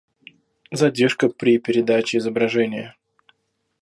Задержка при передаче изображения